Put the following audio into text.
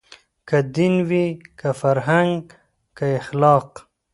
که دین وي که فرهنګ که اخلاق